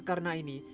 karena menangis haru